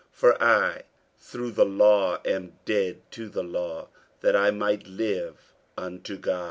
48:002:019 For I through the law am dead to the law, that I might live unto God.